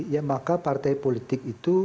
ya maka partai politik itu